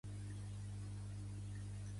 “No en diguem ‘barraca’, d’això”, ha dit.